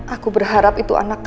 aku berharap itu anakku